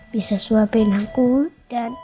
bisa suapin aku dan